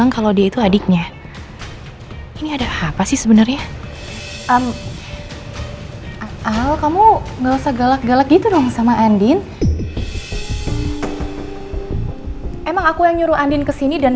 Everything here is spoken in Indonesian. ya kalaupun ada itu pasti perempuan yang deketin al